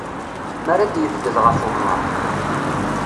Mi ara d-yebded ɣef umnar.